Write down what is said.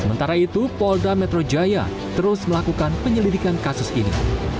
sementara itu polda metro jaya terus melakukan penyelidikan kasus ini